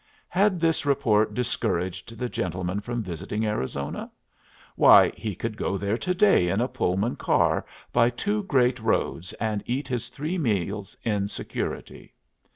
Had this report discouraged the gentleman from visiting Arizona? Why, he could go there to day in a Pullman car by two great roads and eat his three meals in security.